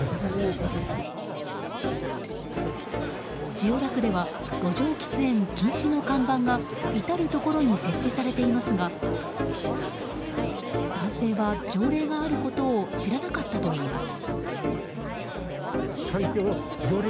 千代田区では路上喫煙禁止の看板が至るところに設置されていますが男性は条例があることを知らなかったといいます。